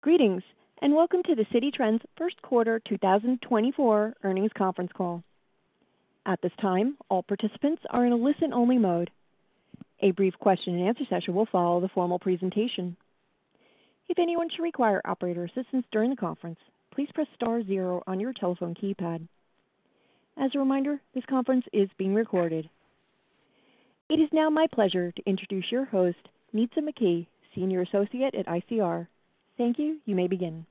Greetings, and welcome to the Citi Trends first quarter 2024 earnings conference call. At this time, all participants are in a listen-only mode. A brief question-and-answer session will follow the formal presentation. If anyone should require operator assistance during the conference, please press star zero on your telephone keypad. As a reminder, this conference is being recorded. It is now my pleasure to introduce your host, Nitza McKee, Senior Associate at ICR. Thank you. You may begin.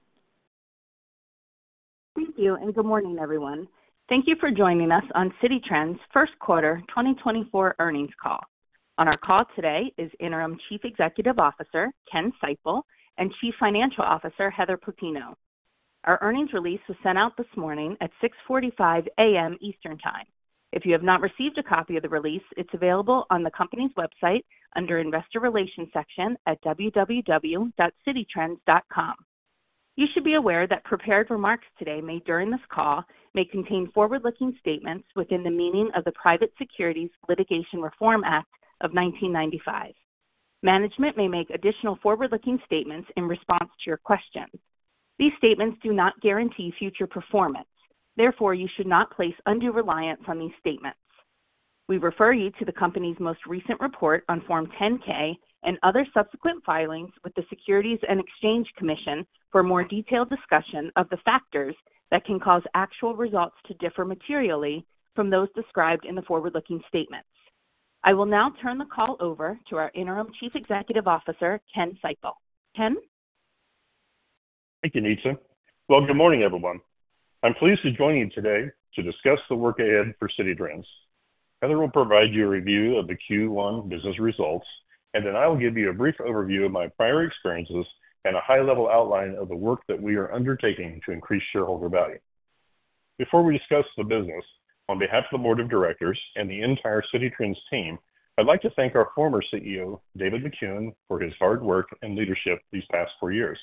Thank you, and good morning, everyone. Thank you for joining us on Citi Trends' first quarter 2024 earnings call. On our call today is Interim Chief Executive Officer, Ken Seipel, and Chief Financial Officer, Heather Plutino. Our earnings release was sent out this morning at 6:45 A.M. Eastern Time. If you have not received a copy of the release, it's available on the company's website under Investor Relations section at www.cititrends.com. You should be aware that prepared remarks today made during this call may contain forward-looking statements within the meaning of the Private Securities Litigation Reform Act of 1995. Management may make additional forward-looking statements in response to your questions. These statements do not guarantee future performance, therefore, you should not place undue reliance on these statements. We refer you to the company's most recent report on Form 10-K and other subsequent filings with the Securities and Exchange Commission for more detailed discussion of the factors that can cause actual results to differ materially from those described in the forward-looking statements. I will now turn the call over to our Interim Chief Executive Officer, Ken Seipel. Ken? Thank you, Nitza. Well, good morning, everyone. I'm pleased to join you today to discuss the work ahead for Citi Trends. Heather will provide you a review of the Q1 business results, and then I will give you a brief overview of my prior experiences and a high-level outline of the work that we are undertaking to increase shareholder value. Before we discuss the business, on behalf of the board of directors and the entire Citi Trends team, I'd like to thank our former CEO, David Makuen, for his hard work and leadership these past four years.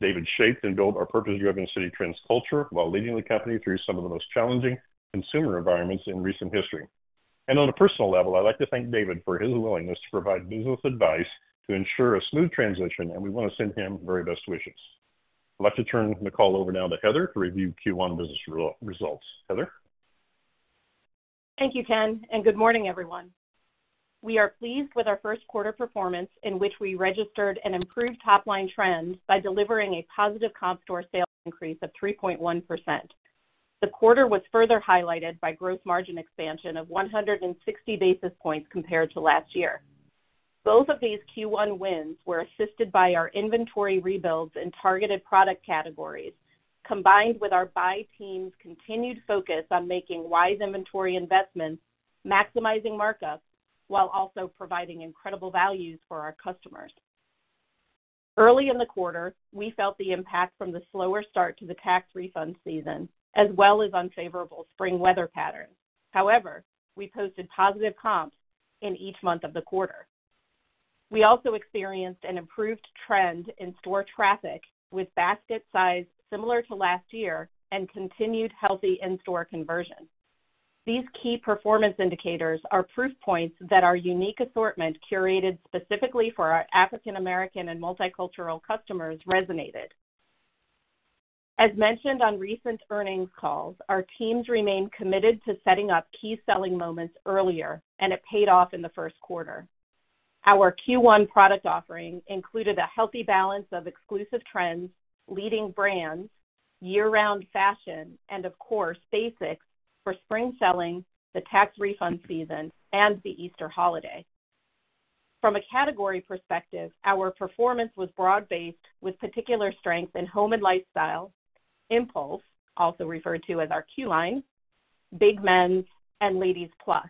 David shaped and built our purpose-driven Citi Trends culture while leading the company through some of the most challenging consumer environments in recent history. On a personal level, I'd like to thank David for his willingness to provide business advice to ensure a smooth transition, and we wanna send him very best wishes. I'd like to turn the call over now to Heather to review Q1 business results. Heather? Thank you, Ken, and good morning, everyone. We are pleased with our first quarter performance, in which we registered an improved top-line trend by delivering a positive comp store sales increase of 3.1%. The quarter was further highlighted by gross margin expansion of 160 basis points compared to last year. Both of these Q1 wins were assisted by our inventory rebuilds and targeted product categories, combined with our buy team's continued focus on making wise inventory investments, maximizing markups, while also providing incredible values for our customers. Early in the quarter, we felt the impact from the slower start to the tax refund season, as well as unfavorable spring weather patterns. However, we posted positive comps in each month of the quarter. We also experienced an improved trend in store traffic, with basket size similar to last year and continued healthy in-store conversion. These key performance indicators are proof points that our unique assortment, curated specifically for our African American and multicultural customers, resonated. As mentioned on recent earnings calls, our teams remain committed to setting up key selling moments earlier, and it paid off in the first quarter. Our Q1 product offering included a healthy balance of exclusive trends, leading brands, year-round fashion, and of course, basics for spring selling, the tax refund season, and the Easter holiday. From a category perspective, our performance was broad-based, with particular strength in Home and Lifestyle, Impulse, also referred to as our Q line, Big Men's, and Ladies' Plus,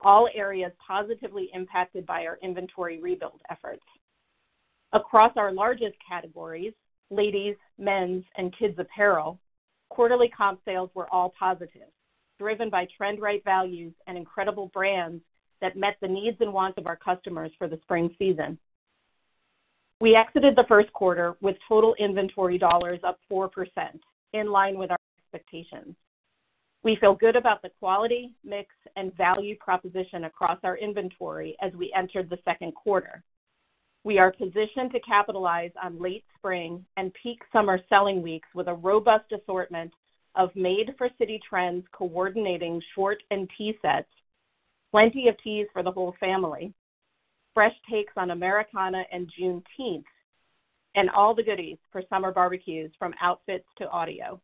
all areas positively impacted by our inventory rebuild efforts. Across our largest categories, ladies, men's, and Kids Apparel, quarterly comp sales were all positive, driven by trend right values and incredible brands that met the needs and wants of our customers for the spring season. We exited the first quarter with total inventory dollars up 4%, in line with our expectations. We feel good about the quality, mix, and value proposition across our inventory as we entered the second quarter. We are positioned to capitalize on late spring and peak summer selling weeks with a robust assortment of made-for-Citi Trends, coordinating short and tee sets, plenty of tees for the whole family, fresh takes on Americana and Juneteenth, and all the goodies for summer barbecues, from outfits to audio.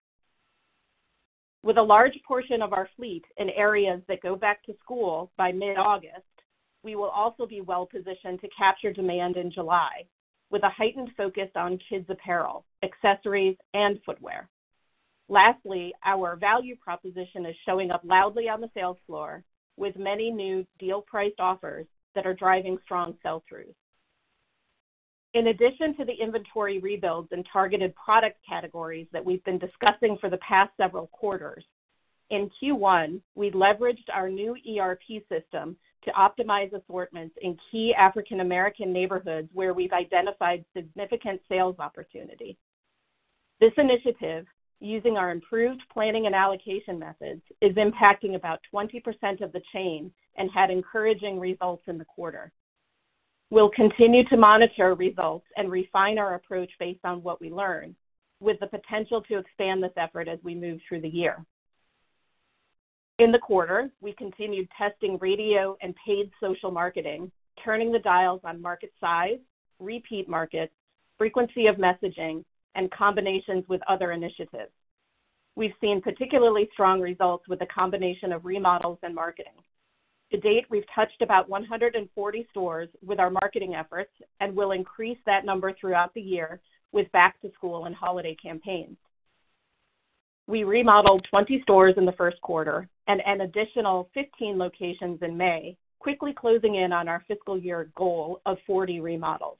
With a large portion of our fleet in areas that go back to school by mid-August, we will also be well positioned to capture demand in July, with a heightened focus on kids apparel, accessories, and footwear. Lastly, our value proposition is showing up loudly on the sales floor, with many new deal priced offers that are driving strong sell-through. In addition to the inventory rebuilds and targeted product categories that we've been discussing for the past several quarters, in Q1, we leveraged our new ERP system to optimize assortments in key African American neighborhoods where we've identified significant sales opportunity. This initiative, using our improved planning and allocation methods, is impacting about 20% of the chain and had encouraging results in the quarter. We'll continue to monitor results and refine our approach based on what we learn, with the potential to expand this effort as we move through the year. In the quarter, we continued testing radio and paid social marketing, turning the dials on market size, repeat markets, frequency of messaging, and combinations with other initiatives. We've seen particularly strong results with a combination of remodels and marketing. To date, we've touched about 140 stores with our marketing efforts, and we'll increase that number throughout the year with back-to-school and holiday campaigns. We remodeled 20 stores in the first quarter and an additional 15 locations in May, quickly closing in on our fiscal year goal of 40 remodels.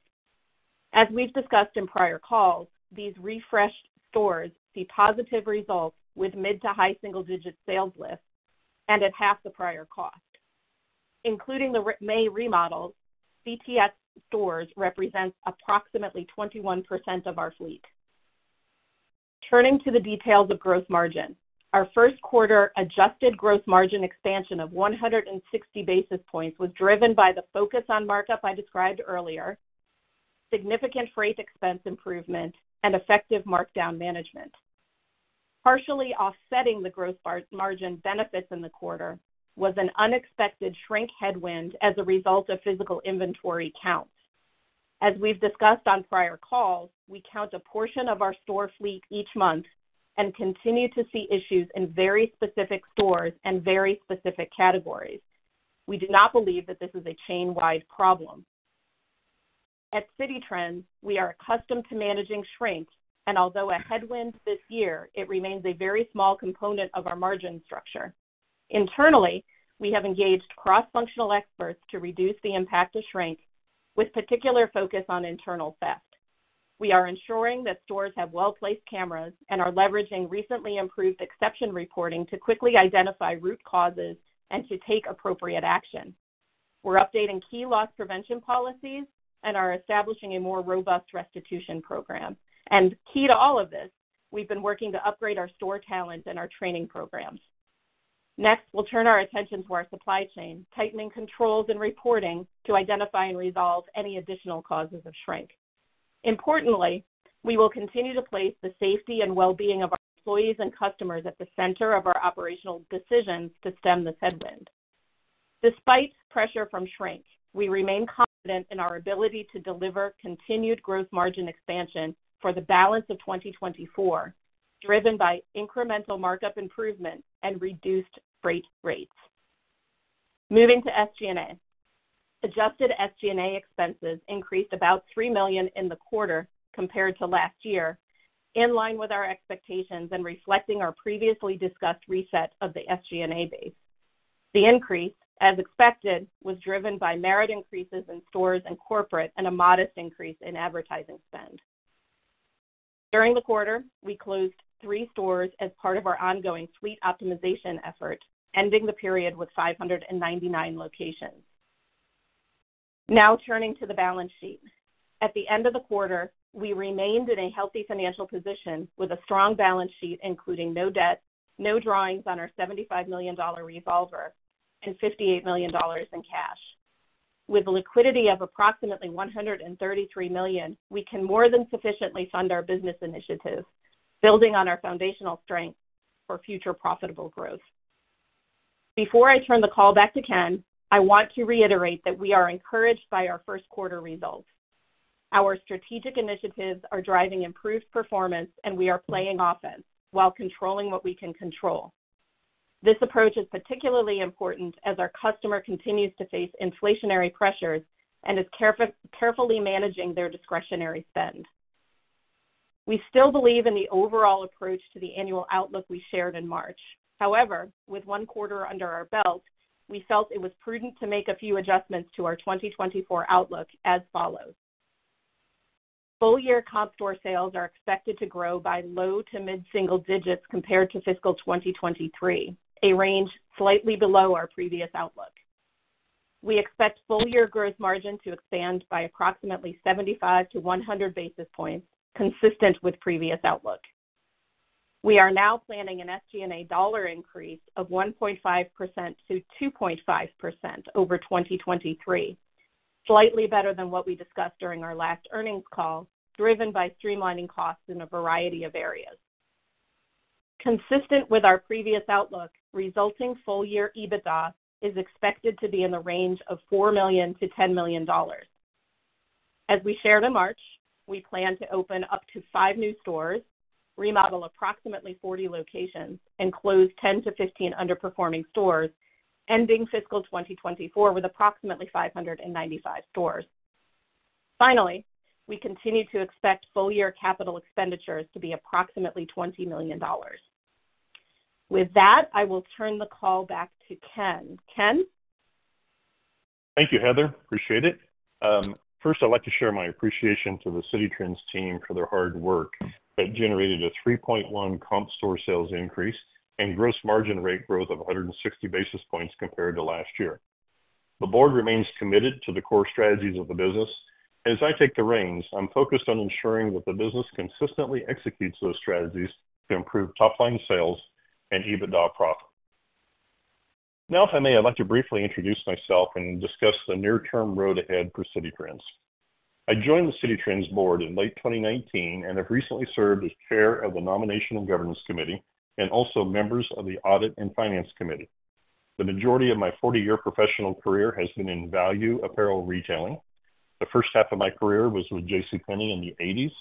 As we've discussed in prior calls, these refreshed stores see positive results with mid to high single-digit sales lifts and at half the prior cost. Including the May remodels, CTS stores represent approximately 21% of our fleet. Turning to the details of gross margin. Our first quarter adjusted gross margin expansion of 160 basis points was driven by the focus on markup I described earlier, significant freight expense improvement, and effective markdown management. Partially offsetting the growth margin benefits in the quarter was an unexpected shrink headwind as a result of physical inventory counts. As we've discussed on prior calls, we count a portion of our store fleet each month and continue to see issues in very specific stores and very specific categories. We do not believe that this is a chain-wide problem. At Citi Trends, we are accustomed to managing shrink, and although a headwind this year, it remains a very small component of our margin structure. Internally, we have engaged cross-functional experts to reduce the impact of shrink, with particular focus on internal theft. We are ensuring that stores have well-placed cameras and are leveraging recently improved exception reporting to quickly identify root causes and to take appropriate action. We're updating key loss prevention policies and are establishing a more robust restitution program. Key to all of this, we've been working to upgrade our store talent and our training programs. Next, we'll turn our attention to our supply chain, tightening controls and reporting to identify and resolve any additional causes of shrink. Importantly, we will continue to place the safety and well-being of our employees and customers at the center of our operational decisions to stem this headwind. Despite pressure from shrink, we remain confident in our ability to deliver continued growth margin expansion for the balance of 2024, driven by incremental markup improvement and reduced freight rates. Moving to SG&A. Adjusted SG&A expenses increased about $3 million in the quarter compared to last year, in line with our expectations and reflecting our previously discussed reset of the SG&A base. The increase, as expected, was driven by merit increases in stores and corporate and a modest increase in advertising spend. During the quarter, we closed three stores as part of our ongoing store optimization effort, ending the period with 599 locations. Now turning to the balance sheet. At the end of the quarter, we remained in a healthy financial position with a strong balance sheet, including no debt, no drawings on our $75 million revolver, and $58 million in cash. With liquidity of approximately $133 million, we can more than sufficiently fund our business initiatives, building on our foundational strength for future profitable growth. Before I turn the call back to Ken, I want to reiterate that we are encouraged by our first quarter results. Our strategic initiatives are driving improved performance, and we are playing offense while controlling what we can control. This approach is particularly important as our customer continues to face inflationary pressures and is carefully managing their discretionary spend. We still believe in the overall approach to the annual outlook we shared in March. However, with one quarter under our belt, we felt it was prudent to make a few adjustments to our 2024 outlook as follows: Full year comp store sales are expected to grow by low to mid single digits compared to fiscal 2023, a range slightly below our previous outlook. We expect full year gross margin to expand by approximately 75 basis points-100 basis points, consistent with previous outlook. We are now planning an SG&A dollar increase of 1.5%-2.5% over 2023, slightly better than what we discussed during our last earnings call, driven by streamlining costs in a variety of areas. Consistent with our previous outlook, resulting full-year EBITDA is expected to be in the range of $4 million-$10 million. As we shared in March, we plan to open up to five new stores, remodel approximately 40 locations, and close 10-15 underperforming stores, ending fiscal 2024 with approximately 595 stores. Finally, we continue to expect full year capital expenditures to be approximately $20 million. With that, I will turn the call back to Ken. Ken? Thank you, Heather. Appreciate it. First, I'd like to share my appreciation to the Citi Trends team for their hard work that generated a 3.1 comp store sales increase and gross margin rate growth of 160 basis points compared to last year. The board remains committed to the core strategies of the business. As I take the reins, I'm focused on ensuring that the business consistently executes those strategies to improve top-line sales and EBITDA profit. Now, if I may, I'd like to briefly introduce myself and discuss the near-term road ahead for Citi Trends. I joined the Citi Trends board in late 2019, and have recently served as chair of the Nomination and Governance Committee, and also members of the Audit and Finance Committee. The majority of my 40-year professional career has been in value apparel retailing. The first half of my career was with J.C. Penney in the 1980s.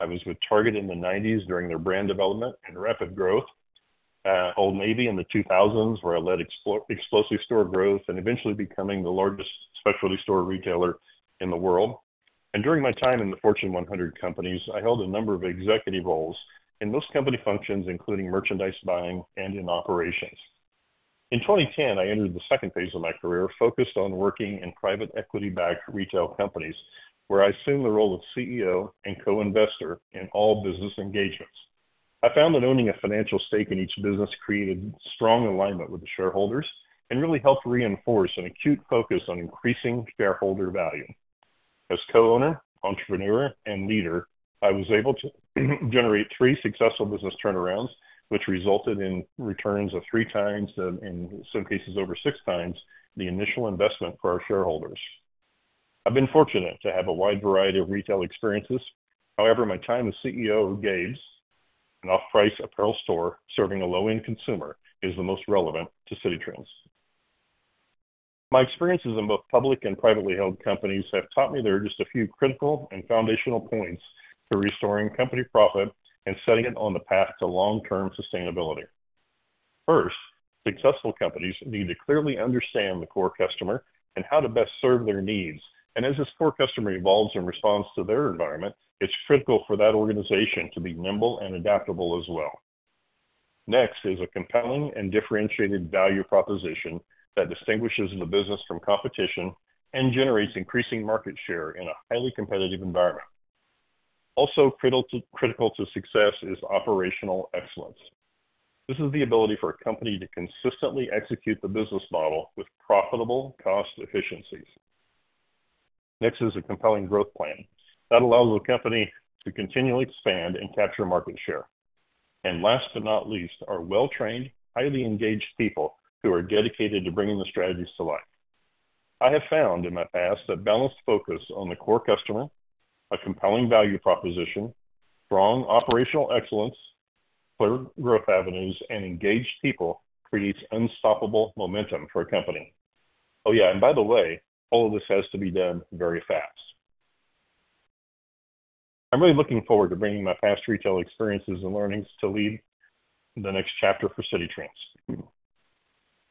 I was with Target in the 1990s during their brand development and rapid growth, at Old Navy in the 2000s, where I led explosive store growth and eventually becoming the largest specialty store retailer in the world. During my time in the Fortune 100 companies, I held a number of executive roles in most company functions, including merchandise buying and in operations. In 2010, I entered the second phase of my career, focused on working in private equity-backed retail companies, where I assumed the role of CEO and co-investor in all business engagements. I found that owning a financial stake in each business created strong alignment with the shareholders and really helped reinforce an acute focus on increasing shareholder value. As co-owner, entrepreneur, and leader, I was able to generate three successful business turnarounds, which resulted in returns of 3x, and in some cases over 6x, the initial investment for our shareholders. I've been fortunate to have a wide variety of retail experiences. However, my time as CEO of Gabe's, an off-price apparel store, serving a low-end consumer, is the most relevant to Citi Trends. My experiences in both public and privately held companies have taught me there are just a few critical and foundational points to restoring company profit and setting it on the path to long-term sustainability. First, successful companies need to clearly understand the core customer and how to best serve their needs. As this core customer evolves in response to their environment, it's critical for that organization to be nimble and adaptable as well. Next is a compelling and differentiated value proposition that distinguishes the business from competition and generates increasing market share in a highly competitive environment. Also, critical to success is operational excellence. This is the ability for a company to consistently execute the business model with profitable cost efficiencies. Next is a compelling growth plan that allows the company to continually expand and capture market share. And last but not least, are well-trained, highly engaged people who are dedicated to bringing the strategies to life. I have found in my past, a balanced focus on the core customer, a compelling value proposition, strong operational excellence, clear growth avenues, and engaged people, creates unstoppable momentum for a company. Oh, yeah, and by the way, all of this has to be done very fast. I'm really looking forward to bringing my past retail experiences and learnings to lead the next chapter for Citi Trends.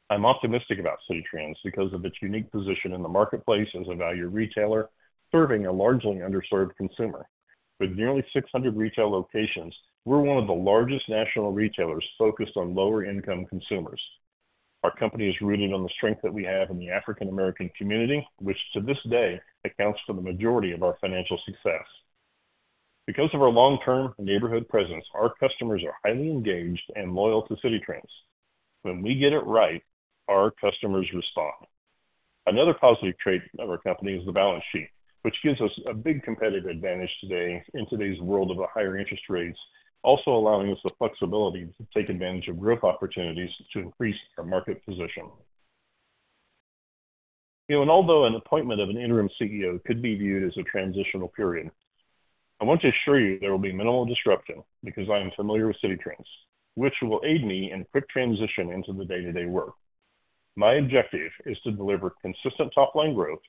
I'm optimistic about Citi Trends because of its unique position in the marketplace as a value retailer, serving a largely underserved consumer. With nearly 600 retail locations, we're one of the largest national retailers focused on lower-income consumers. Our company is rooted on the strength that we have in the African American community, which to this day, accounts for the majority of our financial success. Because of our long-term neighborhood presence, our customers are highly engaged and loyal to Citi Trends. When we get it right, our customers respond. Another positive trait of our company is the balance sheet, which gives us a big competitive advantage today, in today's world of higher interest rates, also allowing us the flexibility to take advantage of growth opportunities to increase our market position. You know, and although an appointment of an Interim CEO could be viewed as a transitional period, I want to assure you there will be minimal disruption because I am familiar with Citi Trends, which will aid me in quick transition into the day-to-day work. My objective is to deliver consistent top-line growth,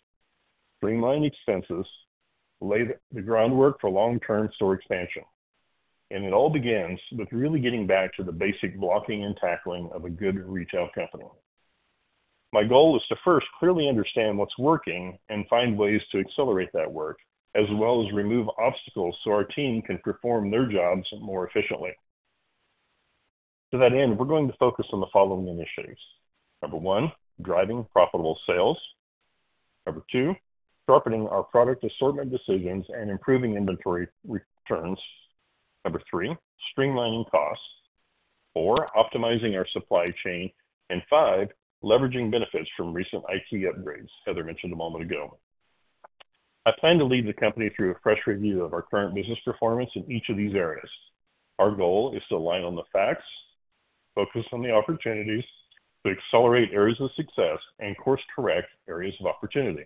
streamline expenses, lay the groundwork for long-term store expansion, and it all begins with really getting back to the basic blocking and tackling of a good retail company. My goal is to first clearly understand what's working and find ways to accelerate that work, as well as remove obstacles so our team can perform their jobs more efficiently. To that end, we're going to focus on the following initiatives. Number one, driving profitable sales. Number two, sharpening our product assortment decisions and improving inventory returns. Number three, streamlining costs. Four, optimizing our supply chain. And five, leveraging benefits from recent IT upgrades Heather mentioned a moment ago. I plan to lead the company through a fresh review of our current business performance in each of these areas. Our goal is to rely on the facts, focus on the opportunities to accelerate areas of success, and course-correct areas of opportunity.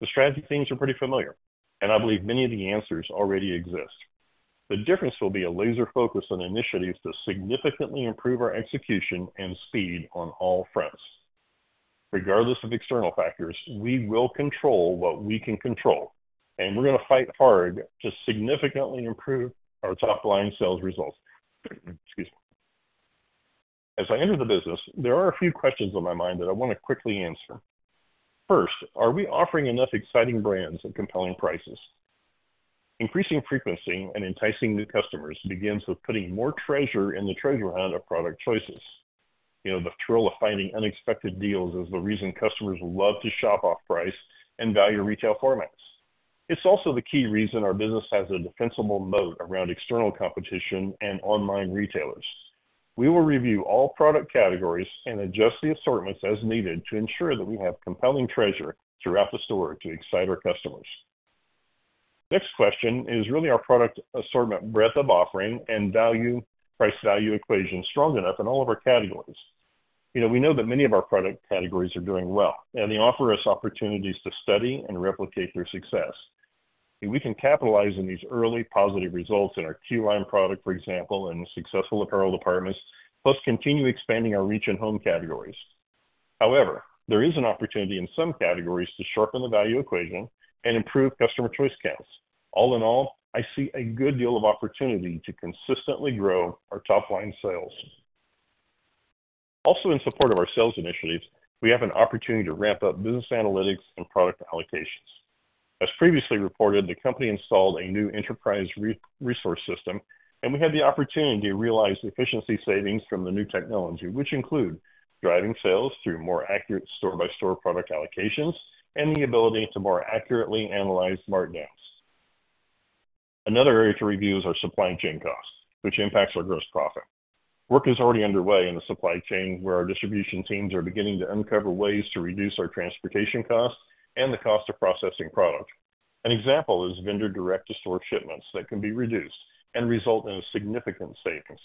The strategy themes are pretty familiar, and I believe many of the answers already exist. The difference will be a laser focus on initiatives to significantly improve our execution and speed on all fronts. Regardless of external factors, we will control what we can control, and we're gonna fight hard to significantly improve our top-line sales results. Excuse me. As I enter the business, there are a few questions on my mind that I want to quickly answer. First, are we offering enough exciting brands and compelling prices? Increasing frequency and enticing new customers begins with putting more treasure in the treasure hunt of product choices. You know, the thrill of finding unexpected deals is the reason customers love to shop off-price and value retail formats.... It's also the key reason our business has a defensible moat around external competition and online retailers. We will review all product categories and adjust the assortments as needed to ensure that we have compelling treasure throughout the store to excite our customers. Next question is, really, our product assortment breadth of offering and value-price value equation strong enough in all of our categories? You know, we know that many of our product categories are doing well, and they offer us opportunities to study and replicate their success. And we can capitalize on these early positive results in our key line product, for example, and the successful apparel departments, plus continue expanding our reach in home categories. However, there is an opportunity in some categories to sharpen the value equation and improve customer choice counts. All in all, I see a good deal of opportunity to consistently grow our top line sales. Also, in support of our sales initiatives, we have an opportunity to ramp up business analytics and product allocations. As previously reported, the company installed a new enterprise resource system, and we have the opportunity to realize efficiency savings from the new technology, which include driving sales through more accurate store-by-store product allocations and the ability to more accurately analyze markdowns. Another area to review is our supply chain costs, which impacts our gross profit. Work is already underway in the supply chain, where our distribution teams are beginning to uncover ways to reduce our transportation costs and the cost of processing product. An example is vendor direct-to-store shipments that can be reduced and result in significant savings.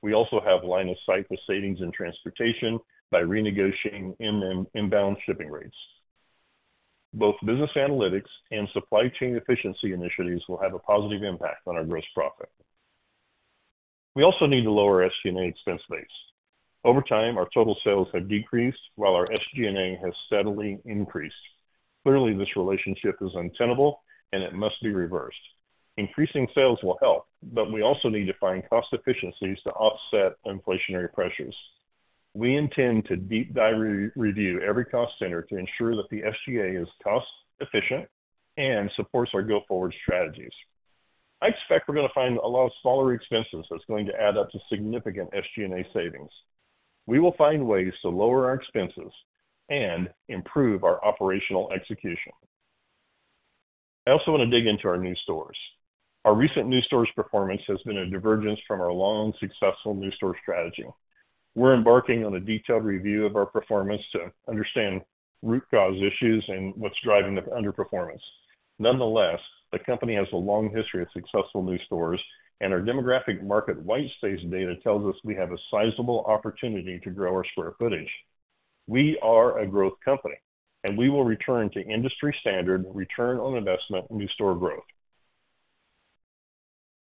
We also have line of sight with savings in transportation by renegotiating our inbound shipping rates. Both business analytics and supply chain efficiency initiatives will have a positive impact on our gross profit. We also need to lower SG&A expense base. Over time, our total sales have decreased, while our SG&A has steadily increased. Clearly, this relationship is untenable, and it must be reversed. Increasing sales will help, but we also need to find cost efficiencies to offset inflationary pressures. We intend to deep dive review every cost center to ensure that the SG&A is cost-efficient and supports our go-forward strategies. I expect we're gonna find a lot of smaller expenses that's going to add up to significant SG&A savings. We will find ways to lower our expenses and improve our operational execution. I also want to dig into our new stores. Our recent new stores performance has been a divergence from our long, successful new store strategy. We're embarking on a detailed review of our performance to understand root cause issues and what's driving the underperformance. Nonetheless, the company has a long history of successful new stores, and our demographic market white space data tells us we have a sizable opportunity to grow our square footage. We are a growth company, and we will return to industry standard return on investment new store growth.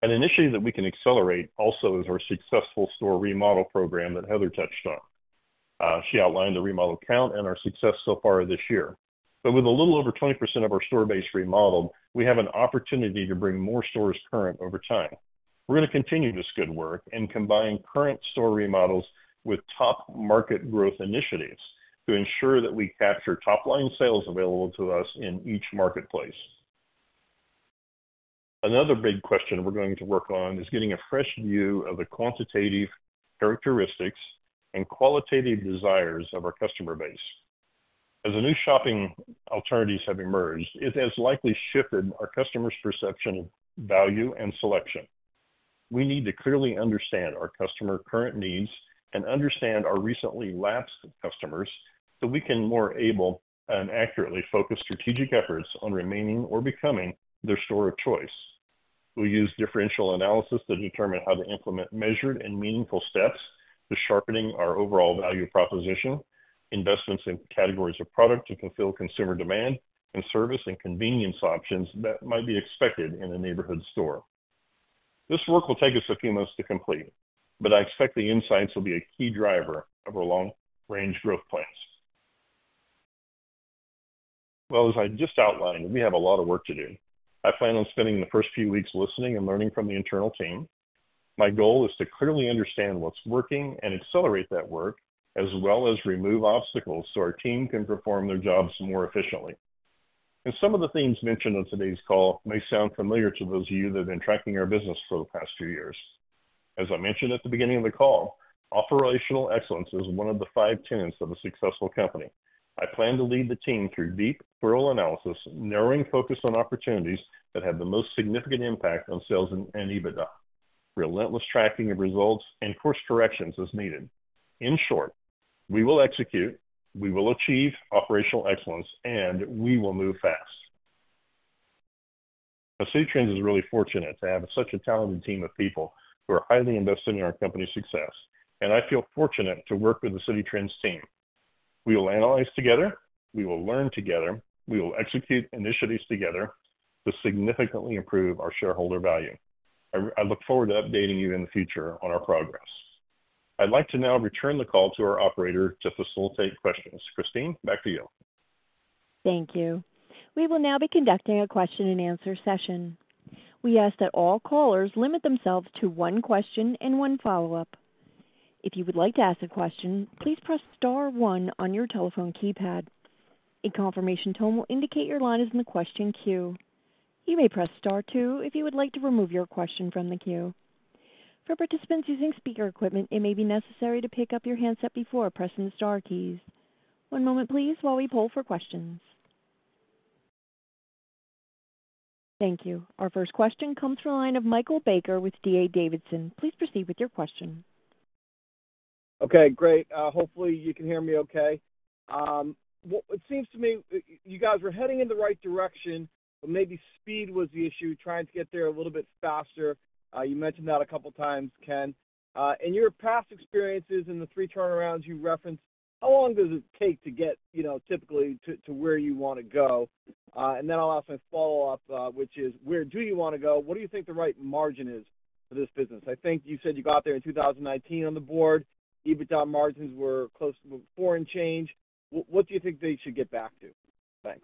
An initiative that we can accelerate also is our successful store remodel program that Heather touched on. She outlined the remodel count and our success so far this year. But with a little over 20% of our store base remodeled, we have an opportunity to bring more stores current over time. We're gonna continue this good work and combine current store remodels with top market growth initiatives to ensure that we capture top-line sales available to us in each marketplace. Another big question we're going to work on is getting a fresh view of the quantitative characteristics and qualitative desires of our customer base. As the new shopping alternatives have emerged, it has likely shifted our customers' perception, value, and selection. We need to clearly understand our customers' current needs and understand our recently lapsed customers, so we can more able and accurately focus strategic efforts on remaining or becoming their store of choice. We use differential analysis to determine how to implement measured and meaningful steps to sharpening our overall value proposition, investments in categories of product to fulfill consumer demand, and service and convenience options that might be expected in a neighborhood store. This work will take us a few months to complete, but I expect the insights will be a key driver of our long-range growth plans. Well, as I just outlined, we have a lot of work to do. I plan on spending the first few weeks listening and learning from the internal team. My goal is to clearly understand what's working and accelerate that work, as well as remove obstacles so our team can perform their jobs more efficiently. And some of the themes mentioned on today's call may sound familiar to those of you that have been tracking our business for the past few years. As I mentioned at the beginning of the call, operational excellence is one of the five tenets of a successful company. I plan to lead the team through deep thorough analysis, narrowing focus on opportunities that have the most significant impact on sales and EBITDA, relentless tracking of results, and course corrections as needed. In short, we will execute, we will achieve operational excellence, and we will move fast. Now, Citi Trends is really fortunate to have such a talented team of people who are highly invested in our company's success, and I feel fortunate to work with the Citi Trends team. We will analyze together, we will learn together, we will execute initiatives together to significantly improve our shareholder value. I look forward to updating you in the future on our progress. I'd like to now return the call to our operator to facilitate questions. Christine, back to you. Thank you. We will now be conducting a question-and-answer session. We ask that all callers limit themselves to one question and one follow-up. If you would like to ask a question, please press star one on your telephone keypad. A confirmation tone will indicate your line is in the question queue. You may press star two if you would like to remove your question from the queue. For participants using speaker equipment, it may be necessary to pick up your handset before pressing star keys. One moment please while we poll for questions. Thank you. Our first question comes from the line of Michael Baker with D.A. Davidson. Please proceed with your question. Okay, great. Hopefully you can hear me okay. It seems to me, you guys were heading in the right direction, but maybe speed was the issue, trying to get there a little bit faster. You mentioned that a couple times, Ken. In your past experiences in the three turnarounds you referenced, how long does it take to get, you know, typically to, to where you wanna go? And then I'll ask my follow-up, which is: where do you wanna go? What do you think the right margin is for this business? I think you said you got there in 2019 on the board, EBITDA margins were close to four and change. What do you think they should get back to? Thanks.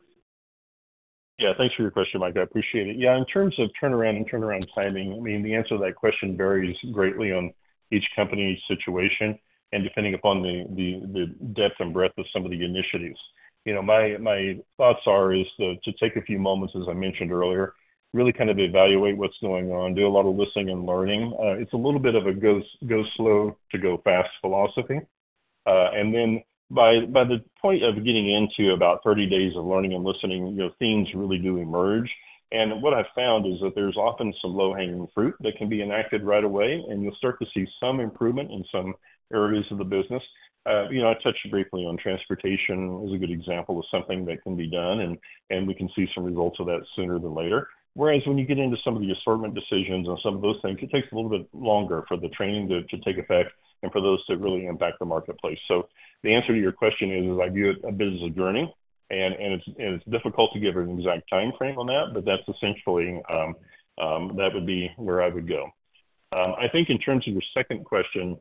Yeah, thanks for your question, Mike. I appreciate it. Yeah, in terms of turnaround and turnaround timing, I mean, the answer to that question varies greatly on each company's situation and depending upon the depth and breadth of some of the initiatives. You know, my thoughts are is to take a few moments, as I mentioned earlier, really kind of evaluate what's going on, do a lot of listening and learning. It's a little bit of a go slow to go fast philosophy. And then by the point of getting into about 30 days of learning and listening, you know, themes really do emerge. And what I've found is that there's often some low-hanging fruit that can be enacted right away, and you'll start to see some improvement in some areas of the business. You know, I touched briefly on transportation is a good example of something that can be done, and we can see some results of that sooner than later. Whereas when you get into some of the assortment decisions and some of those things, it takes a little bit longer for the training to take effect and for those to really impact the marketplace. So the answer to your question is I view it a business journey, and it's difficult to give an exact timeframe on that, but that's essentially that would be where I would go. I think in terms of your second question,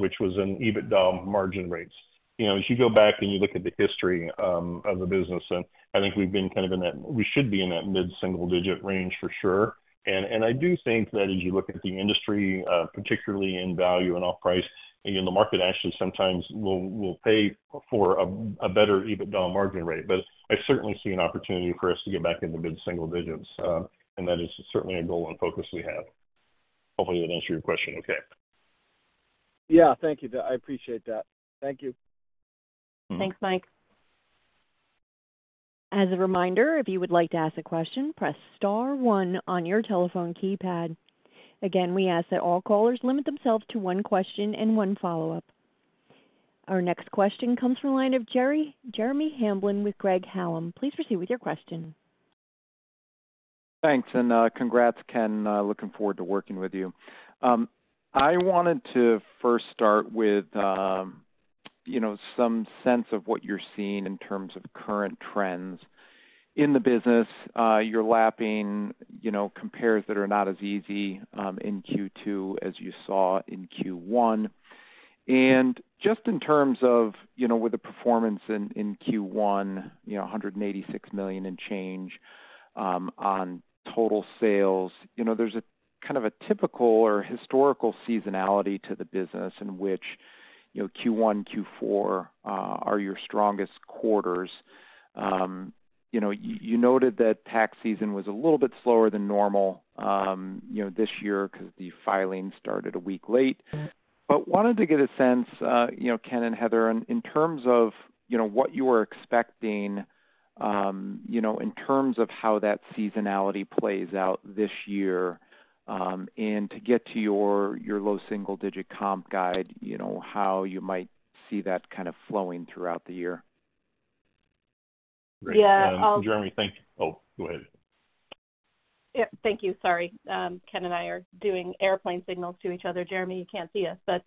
which was on EBITDA margin rates, you know, as you go back and you look at the history of the business, and I think we've been kind of in that. We should be in that mid-single digit range for sure. And I do think that as you look at the industry, particularly in value and off price, you know, the market actually sometimes will pay for a better EBITDA margin rate. But I certainly see an opportunity for us to get back into mid-single digits, and that is certainly a goal and focus we have. Hopefully, that answers your question okay. Yeah. Thank you. I appreciate that. Thank you. Mm-hmm. Thanks, Mike. As a reminder, if you would like to ask a question, press star one on your telephone keypad. Again, we ask that all callers limit themselves to one question and one follow-up. Our next question comes from the line of Jeremy Hamblin with Craig-Hallum. Please proceed with your question. Thanks, and congrats, Ken, looking forward to working with you. I wanted to first start with you know, some sense of what you're seeing in terms of current trends in the business. You're lapping, you know, compares that are not as easy in Q2 as you saw in Q1. And just in terms of, you know, with the performance in Q1, you know, $186 million and change on total sales, you know, there's a kind of a typical or historical seasonality to the business in which, you know, Q1, Q4 are your strongest quarters. You know, you noted that tax season was a little bit slower than normal, you know, this year because the filings started a week late. Wanted to get a sense, you know, Ken and Heather, in terms of, you know, what you were expecting, you know, in terms of how that seasonality plays out this year, and to get to your low single-digit comp guide, you know, how you might see that kind of flowing throughout the year? Great. Yeah, I'll- Jeremy, thank you. Oh, go ahead. Yeah. Thank you. Sorry. Ken and I are doing airplane signals to each other, Jeremy. You can't see us. Thank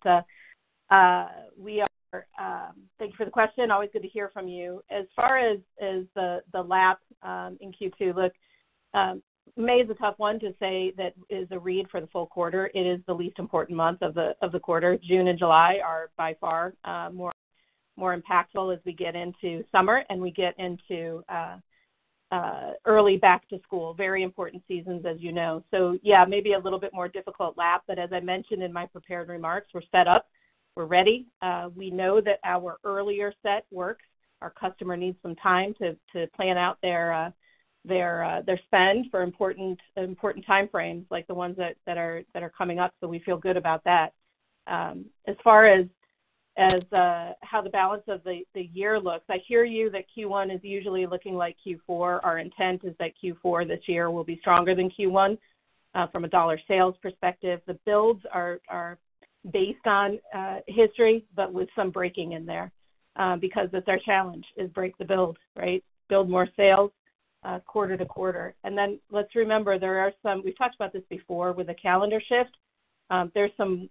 you for the question. Always good to hear from you. As far as the lap in Q2, look, May is a tough one to say that is a read for the full quarter. It is the least important month of the quarter. June and July are by far more impactful as we get into summer and we get into early back to school. Very important seasons, as you know. So yeah, maybe a little bit more difficult lap, but as I mentioned in my prepared remarks, we're set up. We're ready. We know that our earlier set works. Our customer needs some time to plan out their spend for important time frames, like the ones that are coming up, so we feel good about that. As far as how the balance of the year looks, I hear you that Q1 is usually looking like Q4. Our intent is that Q4 this year will be stronger than Q1, from a dollar sales perspective. The builds are based on history, but with some breaking in there, because that's our challenge, is break the build, right? Build more sales, quarter-to-quarter. And then let's remember, there are some... We've talked about this before with the calendar shift. There's some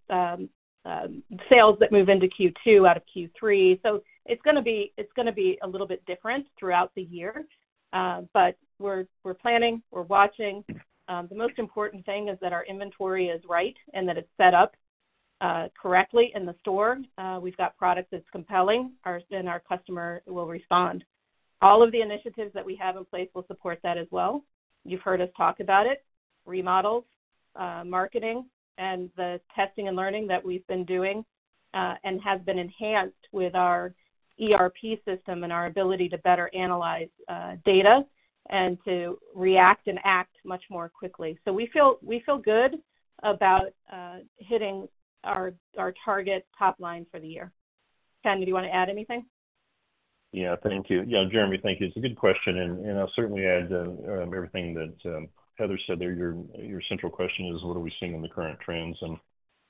sales that move into Q2 out of Q3. So it's gonna be a little bit different throughout the year. But we're planning, we're watching. The most important thing is that our inventory is right and that it's set up correctly in the store. We've got product that's compelling, our, then our customer will respond. All of the initiatives that we have in place will support that as well. You've heard us talk about it, remodels, marketing, and the testing and learning that we've been doing, and has been enhanced with our ERP system and our ability to better analyze data and to react and act much more quickly. So we feel good about hitting our target top line for the year. Ken, do you want to add anything? Yeah, thank you. Yeah, Jeremy, thank you. It's a good question, and, and I'll certainly add, everything that, Heather said there. Your, your central question is, what are we seeing in the current trends? And,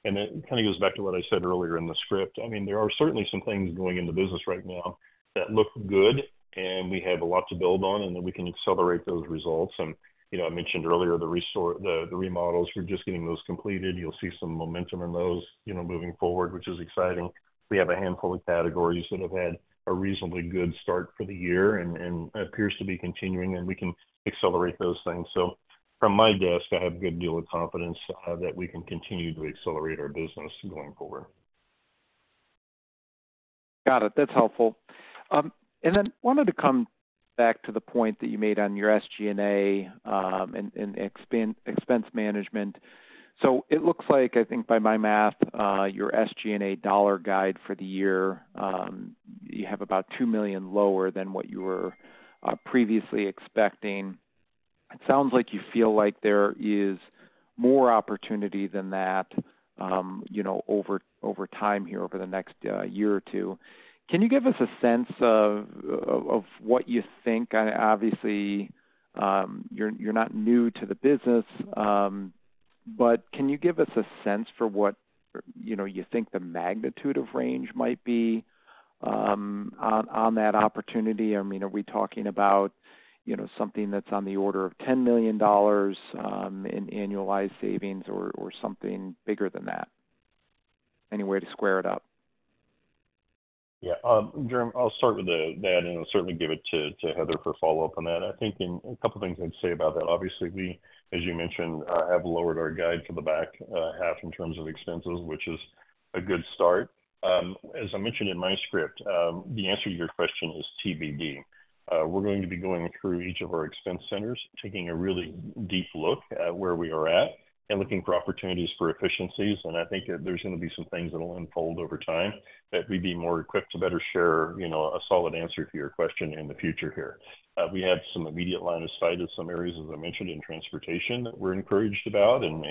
and it kind of goes back to what I said earlier in the script. I mean, there are certainly some things going in the business right now that look good, and we have a lot to build on, and then we can accelerate those results. And, you know, I mentioned earlier, the resort... the, the remodels, we're just getting those completed. You'll see some momentum in those, you know, moving forward, which is exciting. We have a handful of categories that have had a reasonably good start for the year and, and appears to be continuing, and we can accelerate those things. From my desk, I have a good deal of confidence that we can continue to accelerate our business going forward. Got it. That's helpful. And then wanted to come back to the point that you made on your SG&A, and expense management. So it looks like, I think by my math, your SG&A dollar guide for the year, you have about $2 million lower than what you were, previously expecting. It sounds like you feel like there is more opportunity than that, you know, over time here, over the next year or two. Can you give us a sense of what you think? Obviously, you're not new to the business, but can you give us a sense for what, you know, you think the magnitude of range might be, on that opportunity? I mean, are we talking about, you know, something that's on the order of $10 million in annualized savings or, or something bigger than that? Any way to square it up? Yeah, Jeremy, I'll start with that, and I'll certainly give it to Heather for follow-up on that. I think a couple things I'd say about that. Obviously, we, as you mentioned, have lowered our guide for the back half in terms of expenses, which is a good start. As I mentioned in my script, the answer to your question is TBD. We're going to be going through each of our expense centers, taking a really deep look at where we are at and looking for opportunities for efficiencies. And I think there's gonna be some things that will unfold over time, that we'd be more equipped to better share, you know, a solid answer to your question in the future here. We had some immediate line of sight in some areas, as I mentioned, in transportation, that we're encouraged about and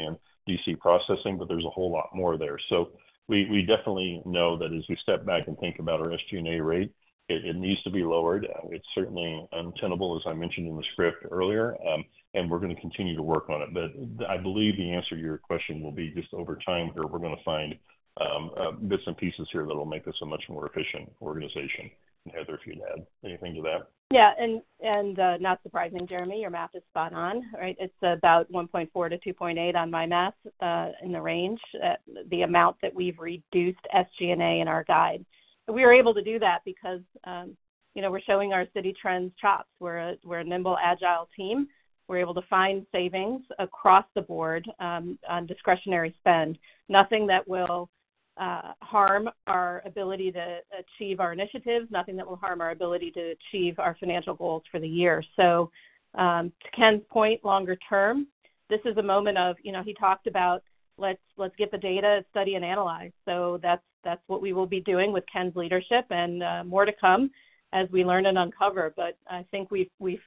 DC processing, but there's a whole lot more there. So we definitely know that as we step back and think about our SG&A rate, it needs to be lowered. It's certainly untenable, as I mentioned in the script earlier, and we're gonna continue to work on it. But I believe the answer to your question will be just over time here, we're gonna find bits and pieces here that'll make us a much more efficient organization. And Heather, if you'd add anything to that. Yeah, and, and, not surprising, Jeremy, your math is spot on, right? It's about $1.4-$2.8 on my math, in the range, the amount that we've reduced SG&A in our guide. We were able to do that because, you know, we're showing our Citi Trends chops. We're a, we're a nimble, agile team. We're able to find savings across the board, on discretionary spend. Nothing that will, harm our ability to achieve our initiatives, nothing that will harm our ability to achieve our financial goals for the year. So, to Ken's point, longer term, this is a moment of, you know, he talked about, let's, let's get the data, study, and analyze. So that's, that's what we will be doing with Ken's leadership, and, more to come as we learn and uncover. But I think we've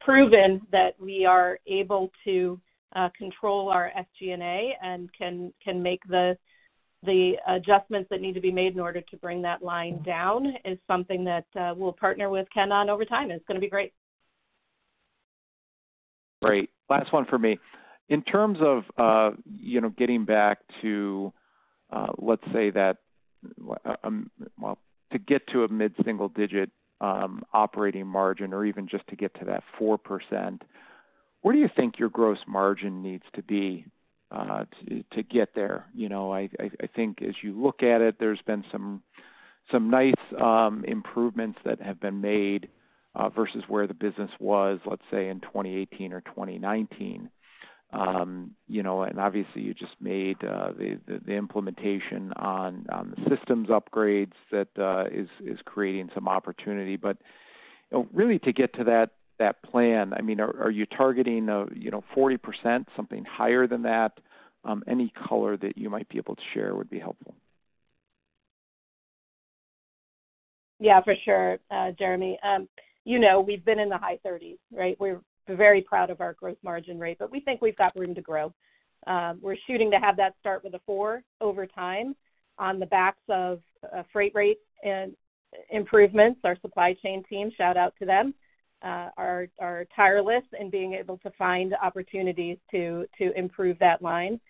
proven that we are able to control our SG&A and can make the adjustments that need to be made in order to bring that line down, is something that we'll partner with Ken on over time, and it's gonna be great. Great. Last one for me. In terms of, you know, getting back to, let's say that, well, to get to a mid-single digit, operating margin, or even just to get to that 4%, where do you think your gross margin needs to be, to, to get there? You know, I think as you look at it, there's been some, some nice, improvements that have been made, versus where the business was, let's say, in 2018 or 2019. You know, and obviously, you just made, the implementation on, on the systems upgrades that, is, is creating some opportunity. But, really, to get to that, that plan, I mean, are, are you targeting, you know, 40%, something higher than that? Any color that you might be able to share would be helpful. Yeah, for sure, Jeremy. You know, we've been in the high 30s, right? We're very proud of our gross margin rate, but we think we've got room to grow. We're shooting to have that start with a four over time on the backs of freight rates and improvements. Our supply chain team, shout out to them, are tireless in being able to find opportunities to improve that line.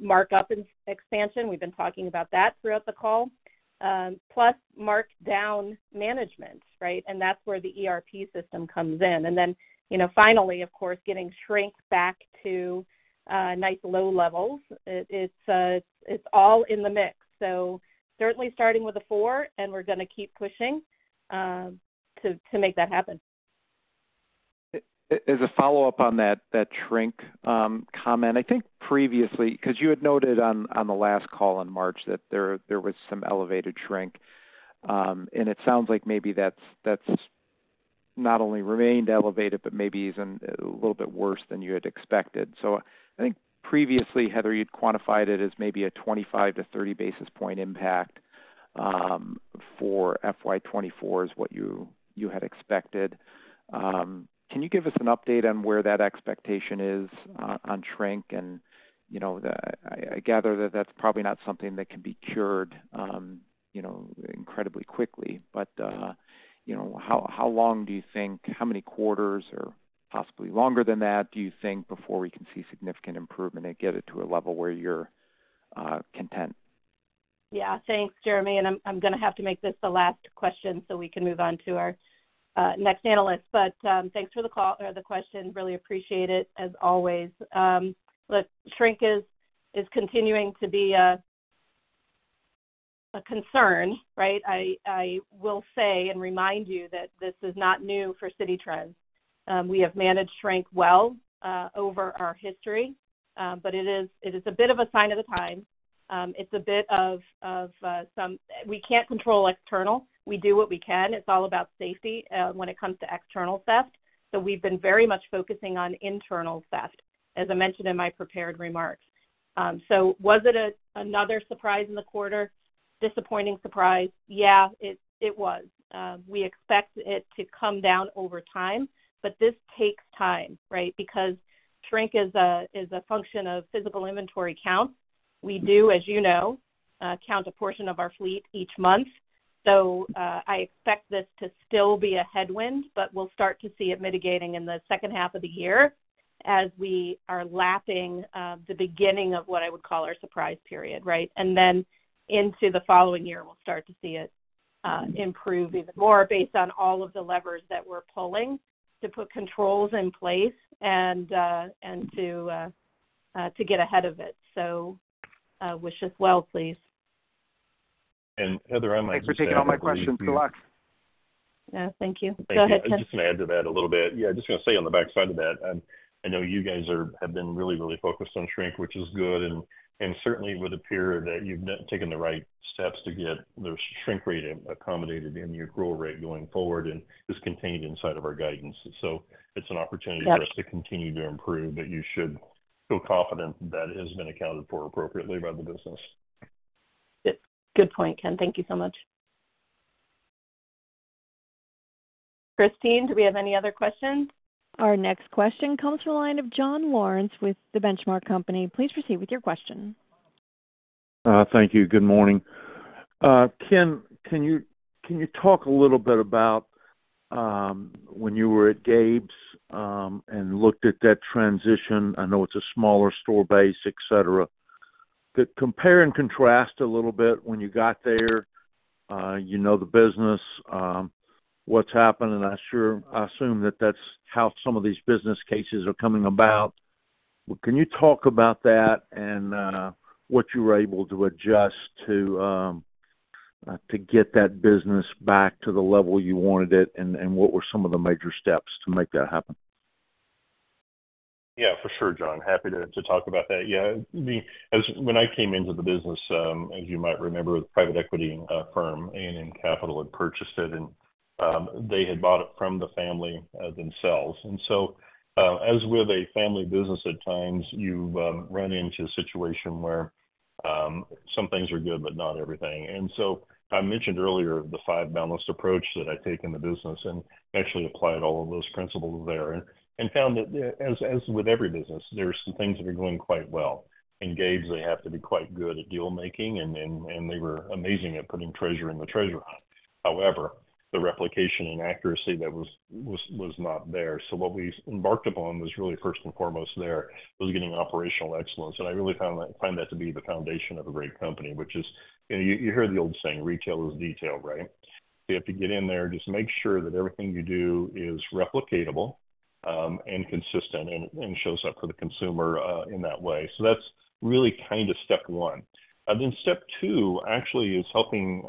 Markup and expansion, we've been talking about that throughout the call. Plus markdown management, right? And that's where the ERP system comes in. And then, you know, finally, of course, getting shrink back to nice low levels. It's all in the mix. So certainly starting with a four, and we're gonna keep pushing to make that happen. As a follow-up on that, that shrink comment, I think previously, because you had noted on the last call in March that there was some elevated shrink, and it sounds like maybe that's not only remained elevated, but maybe even a little bit worse than you had expected. So I think previously, Heather, you'd quantified it as maybe a 25 basis points-30 basis point impact for FY 2024 is what you had expected. Can you give us an update on where that expectation is on shrink? And, you know, I gather that that's probably not something that can be cured, you know, incredibly quickly. But, you know, how long do you think, how many quarters or possibly longer than that, do you think, before we can see significant improvement and get it to a level where you're content? Yeah. Thanks, Jeremy, and I'm gonna have to make this the last question so we can move on to our next analyst. But, thanks for the call or the question. Really appreciate it, as always. Look, shrink is continuing to be a concern, right? I will say and remind you that this is not new for Citi Trends. We have managed shrink well over our history, but it is a bit of a sign of the time. It's a bit of some we can't control external. We do what we can. It's all about safety, when it comes to external theft, so we've been very much focusing on internal theft, as I mentioned in my prepared remarks. So was it another surprise in the quarter, disappointing surprise? Yeah, it was. We expect it to come down over time, but this takes time, right? Because shrink is a function of physical inventory count. We do, as you know, count a portion of our fleet each month. So, I expect this to still be a headwind, but we'll start to see it mitigating in the second half of the year as we are lapping the beginning of what I would call our surprise period, right? And then into the following year, we'll start to see it improve even more based on all of the levers that we're pulling to put controls in place and to get ahead of it. So, wish us well, please. Heather, I might just add, I believe- Thanks for taking all my questions. Good luck. Yeah, thank you. Go ahead, Ken. Just to add to that a little bit. Yeah, I just gonna say on the backside of that, I know you guys have been really, really focused on shrink, which is good, and certainly it would appear that you've taken the right steps to get the shrink rate accommodated in your growth rate going forward, and is contained inside of our guidance. So it's an opportunity... Yep For us to continue to improve, but you should feel confident that it has been accounted for appropriately by the business. Yep. Good point, Ken. Thank you so much. Christine, do we have any other questions? Our next question comes from the line of John Lawrence with The Benchmark Company. Please proceed with your question. Thank you. Good morning. Ken, can you talk a little bit about when you were at Gabe's and looked at that transition? I know it's a smaller store base, et cetera. But compare and contrast a little bit when you got there, you know the business, what's happened, and I assume that that's how some of these business cases are coming about. But can you talk about that and what you were able to adjust to get that business back to the level you wanted it, and what were some of the major steps to make that happen? Yeah, for sure, John. Happy to talk about that. Yeah. As when I came into the business, as you might remember, the private equity firm, A&M Capital, had purchased it, and they had bought it from the family themselves. And so, as with a family business, at times, you run into a situation where some things are good, but not everything. And so I mentioned earlier the five balanced approach that I take in the business and actually applied all of those principles there and found that as with every business, there are some things that are going quite well. In Gabe's, they have to be quite good at deal making, and they were amazing at putting treasure in the treasure hunt. However, the replication and accuracy that was not there. So what we embarked upon was really first and foremost there, was getting operational excellence, and I really find that to be the foundation of a great company, which is, and you hear the old saying, retail is detail, right? You have to get in there, just make sure that everything you do is replicable, and consistent and shows up for the consumer in that way. So that's really kind of step one. And then step two actually is helping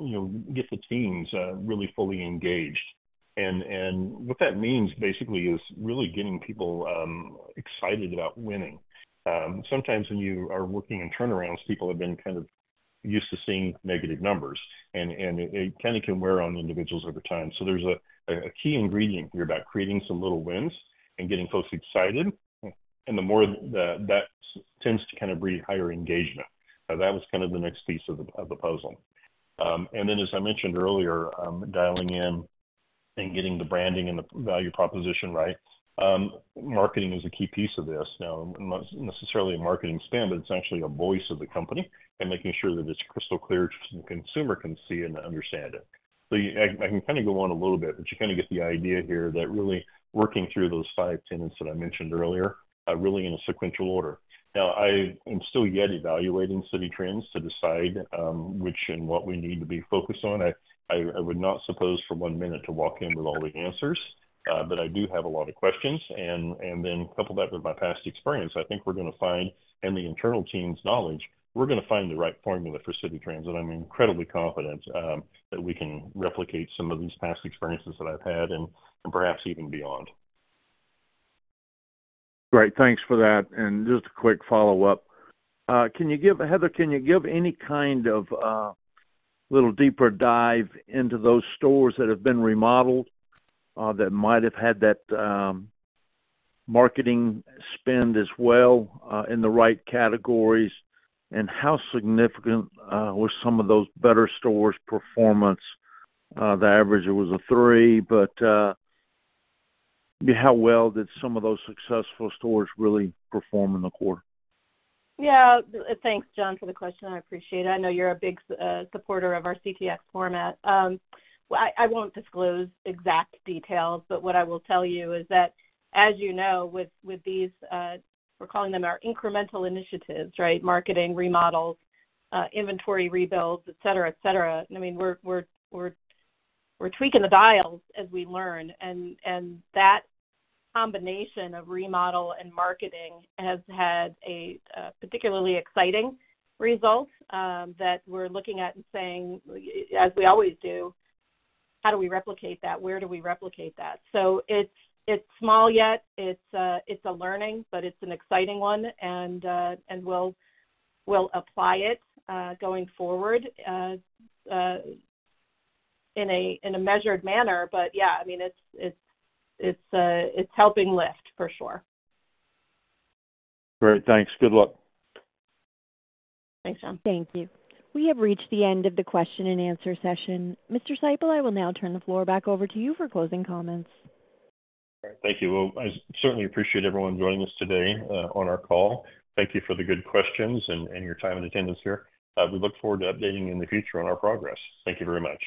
you know get the teams really fully engaged. And what that means, basically, is really getting people excited about winning. Sometimes when you are working in turnarounds, people have been kind of used to seeing negative numbers, and it kinda can wear on individuals over time. So there's a key ingredient here about creating some little wins and getting folks excited, and the more that tends to kind of breed higher engagement. So that was kind of the next piece of the puzzle. And then, as I mentioned earlier, dialing in and getting the branding and the value proposition right. Marketing is a key piece of this. Now, not necessarily a marketing spin, but it's actually a voice of the company and making sure that it's crystal clear so the consumer can see and understand it. So I can kind of go on a little bit, but you kind of get the idea here that really working through those five tenets that I mentioned earlier, really in a sequential order. Now, I am still yet evaluating Citi Trends to decide, which and what we need to be focused on. I would not suppose for one minute to walk in with all the answers, but I do have a lot of questions, and then couple that with my past experience. I think we're gonna find, in the internal team's knowledge, the right formula for Citi Trends, and I'm incredibly confident that we can replicate some of these past experiences that I've had and perhaps even beyond. Great, thanks for that. And just a quick follow-up. Heather, can you give any kind of little deeper dive into those stores that have been remodeled that might have had that marketing spend as well in the right categories? And how significant were some of those better stores' performance? The average, it was a three, but how well did some of those successful stores really perform in the quarter? Yeah. Thanks, John, for the question. I appreciate it. I know you're a big supporter of our CTx format. I won't disclose exact details, but what I will tell you is that, as you know, with these, we're calling them our incremental initiatives, right? Marketing, remodels, inventory rebuilds, et cetera, et cetera. I mean, we're tweaking the dials as we learn, and that combination of remodel and marketing has had a particularly exciting result that we're looking at and saying, as we always do, "How do we replicate that? Where do we replicate that?" So it's small yet. It's a learning, but it's an exciting one, and we'll apply it going forward in a measured manner. Yeah, I mean, it's helping lift, for sure. Great. Thanks. Good luck. Thanks, John. Thank you. We have reached the end of the question and answer session. Mr. Seipel, I will now turn the floor back over to you for closing comments. Great. Thank you. Well, I certainly appreciate everyone joining us today on our call. Thank you for the good questions and your time and attendance here. We look forward to updating you in the future on our progress. Thank you very much.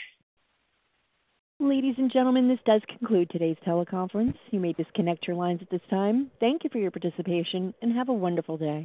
Ladies and gentlemen, this does conclude today's teleconference. You may disconnect your lines at this time. Thank you for your participation, and have a wonderful day.